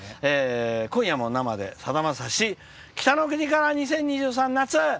「今夜も生でさだまさし北の国から２０２３夏」。